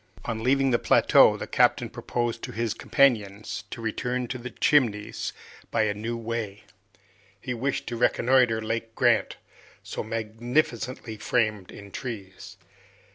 On leaving the plateau, the captain proposed to his companions to return to the Chimneys by a new way. He wished to reconnoiter Lake Grant, so magnificently framed in trees.